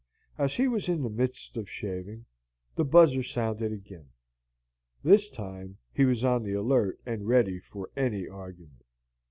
As he was in the midst of shaving, the buzzer sounded again. This time he was on the alert and ready for any argument.